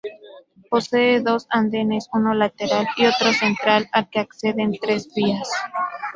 Posee dos andenes uno lateral y otro central al que acceden tres vías.